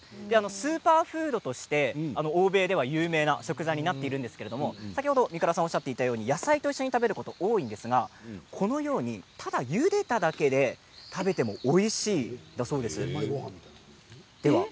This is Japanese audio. スーパーフードとして欧米では有名な食材になっているんですけど先ほど三倉さんがおっしゃっていたように野菜と一緒に食べることが多いんですがこのようにただゆでただけで玄米ごはんみたいな感じ？